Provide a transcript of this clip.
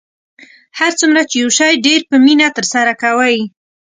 هر څومره چې یو شی ډیر په مینه ترسره کوئ